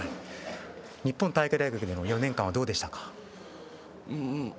日本体育大学での４年間はどうでしたか。